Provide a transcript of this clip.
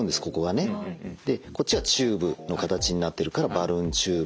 でこっちがチューブの形になってるからバルーンチューブ。